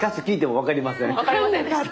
分かりませんでした？